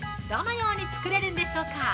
どのように作れるんでしょうか？